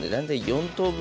４等分。